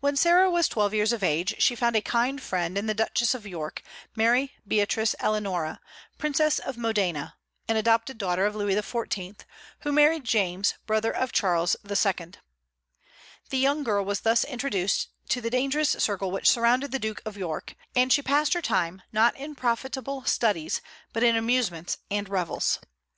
When Sarah was twelve years of age, she found a kind friend in the Duchess of York, Mary Beatrice Eleanora, Princess of Modena (an adopted daughter of Louis XIV.), who married James, brother of Charles II. The young girl was thus introduced to the dangerous circle which surrounded the Duke of York, and she passed her time, not in profitable studies, but in amusements and revels.